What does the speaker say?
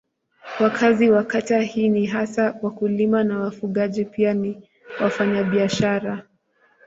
Wakazi wa kata hii ni hasa wakulima na wafugaji pia ni wafanyabiashara.